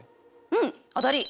うん当たり！